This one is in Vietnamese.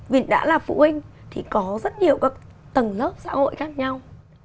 vì đã là phụ huynh thì có rất nhiều các tầng lớp xã hội khác nhau